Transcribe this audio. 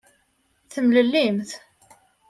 Temlellimt.